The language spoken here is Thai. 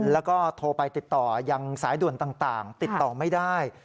แล้วก็โทรไปติดต่อยังสายด่วนต่างติดต่อไม่ได้